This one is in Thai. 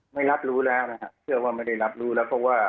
ไม่รับรู้นะฮะเชื่อว่าไม่ได้รับรู้แล้ว